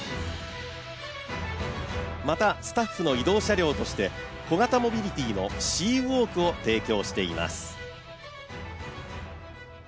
また、スタッフの移動車両として小型モビリティーのＣ＋ｗａｌｋを提供しています。